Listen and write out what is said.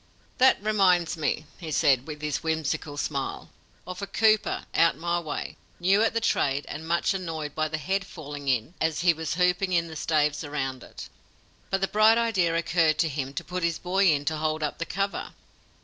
"That reminds me," he said, with his whimsical smile, "of a cooper out my way, new at the trade and much annoyed by the head falling in as he was hooping in the staves around it. But the bright idea occurred to him to put his boy in to hold up the cover.